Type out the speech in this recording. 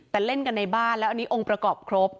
แต่เล่นกันในบ้านแล้วอันนี้องค์ประกอบครบ